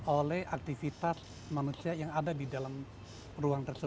oleh aktivitas manusia yang ada di sekitar kita